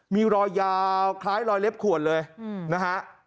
มีรอยยาวคล้ายรอยเล็บขวดเลยนะฮะ